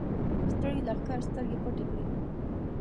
ستړي لښکر سترګې پټې کړې.